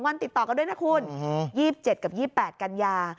วันติดต่อกันด้วยนะคุณ๒๗กับ๒๘กันยา